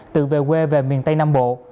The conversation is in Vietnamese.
tự về quê về miền tây nam bộ